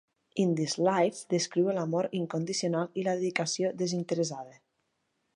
"In This Life" descriu l"amor incondicional i la dedicació desinteressada.